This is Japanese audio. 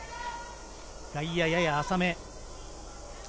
外野、やや浅め。